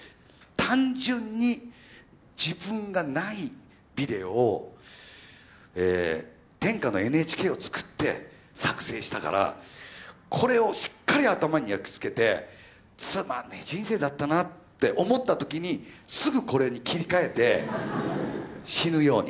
単純に自分がないビデオを天下のＮＨＫを作って作成したからこれをしっかり頭に焼きつけてつまんねえ人生だったなって思った時にすぐこれに切り替えて死ぬように。